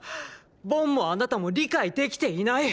ボンもあなたも理解できていない。